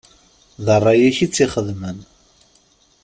D ṛṛay-ik i tt-ixedmen.